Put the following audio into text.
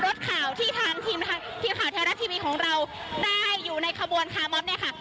รถข่าวที่ทางทีมข่าวไทยรัฐทีวีของเราได้อยู่ในขบวนคาร์มอฟเนี่ยค่ะ